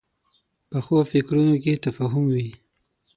پخو فکرونو کې تفاهم وي